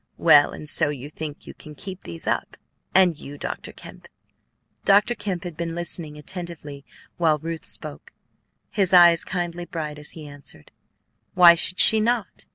Well, and so you think you can keep these up? And you, Dr. Kemp?" Dr. Kemp had been listening attentively while Ruth spoke. His eyes kindled brightly as he answered, "Why should she not?